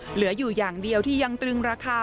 เหลืออยู่อย่างเดียวที่ยังตรึงราคา